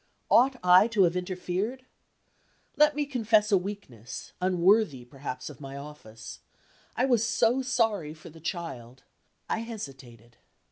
Ought I to have interfered? Let me confess a weakness, unworthy perhaps of my office. I was so sorry for the child I hesitated.